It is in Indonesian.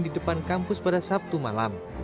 di depan kampus pada sabtu malam